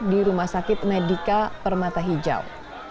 di rumah sakit medica permata hijau